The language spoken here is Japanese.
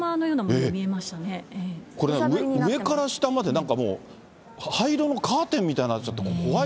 今雷も、上から下までなんかもう灰色のカーテンみたいになってる。